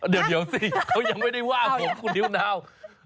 เดี๋ยวสิเขายังไม่ได้ว่าผมคุณนิวนาว